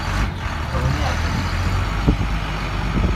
A win iɛebbden ddunit.